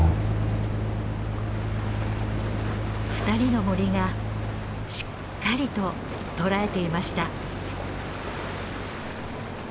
２人のモリがしっかりと捕らえていました。